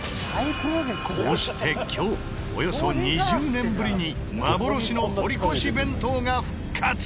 こうして今日およそ２０年ぶりに幻の堀越弁当が復活！